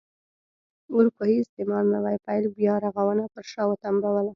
اروپايي استعمار نوي پیل بیا رغونه پر شا وتمبوله.